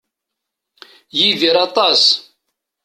Yidir aṭas.